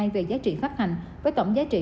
về giá trị phát hành với tổng giá trị